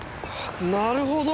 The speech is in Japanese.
なるほど！